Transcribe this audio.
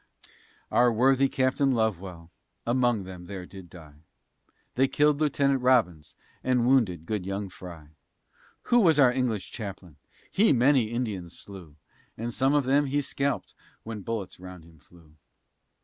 Our worthy Captain Lovewell among them there did die, They killed Lieutenant Robbins, and wounded good young Frye, Who was our English Chaplain; he many Indians slew, And some of them he scalp'd when bullets round him flew.